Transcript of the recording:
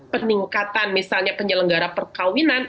peningkatan misalnya penyelenggara perkawinan